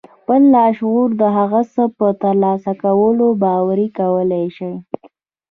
خپل لاشعور د هغه څه په ترلاسه کولو باوري کولای شئ.